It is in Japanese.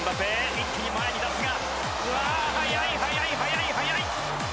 一気に前に出すがうわあ速い速い速い速い！